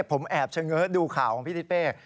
ผมแอบเฉิงเงินดูข่าวของพี่ทิ้ดเป้